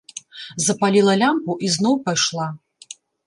Запаліла лямпу і зноў пайшла.